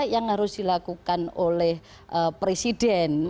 yang harus dilakukan oleh presiden